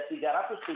selama dua tahun